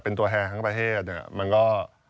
เป็นตัวแทนทั้งประเทศเนี่ยมันก็